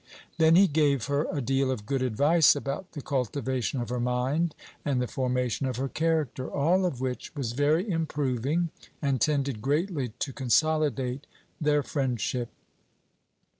Then he gave her a deal of good advice about the cultivation of her mind and the formation of her character, all of which was very improving, and tended greatly to consolidate their friendship.